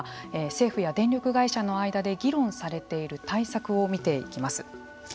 政府や電力会社の間で議論されている対策を見ていきます。